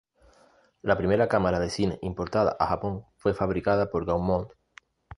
La primera cámara de cine importada a Japón fue fabricada por Gaumont.